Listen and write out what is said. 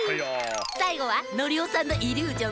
さいごはノリオさんのイリュージョン！